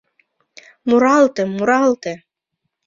— Муралте, муралте!